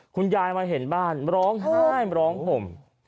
คุณยายมาเห็นบ้านร้องไห้ร้องห่ม